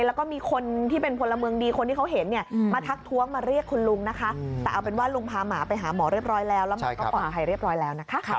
แล้วก็มีคนที่เป็นพลเมืองดีคนที่เขาเห็นเนี่ยมาทักท้วงมาเรียกคุณลุงนะคะแต่เอาเป็นว่าลุงพาหมาไปหาหมอเรียบร้อยแล้วแล้วหมาก็ปลอดภัยเรียบร้อยแล้วนะคะ